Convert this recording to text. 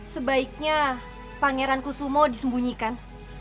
sebaiknya pangeran kusumo disembunyikan